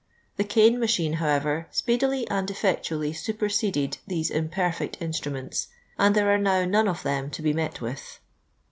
The cane machine, however, speedily and effec tually superseded these imperfect instruments ; and there are now none of them to be met with.